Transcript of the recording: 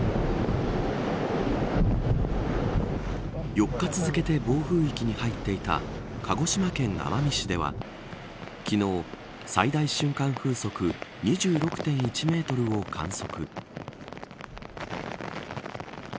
４日続けて暴風域に入っていた鹿児島県奄美市では昨日、最大瞬間風速２６．１メートルを観測。